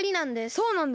そうなんだ。